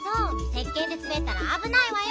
せっけんですべったらあぶないわよ。